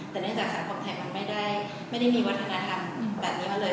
แต่เนื่องจากสังคมไทยมันไม่ได้มีวัฒนธรรมแบบนี้มาเลย